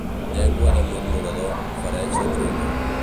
Llengua de murmurador, fereix de traïdor.